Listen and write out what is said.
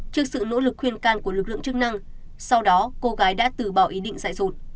trước sự nỗ lực khuyên can của lực lượng chức năng sau đó cô gái đã từ bỏ ý định dạy dồn